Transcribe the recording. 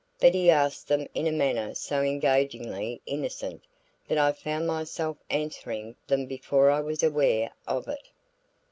But he asked them in a manner so engagingly innocent that I found myself answering them before I was aware of it.